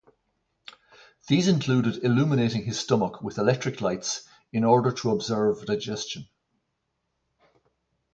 These included illuminating his stomach with electric lights in order to observe digestion.